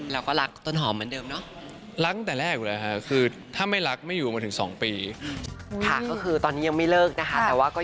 แล้วก็รักต้นหอมเหมือนเดิมนะ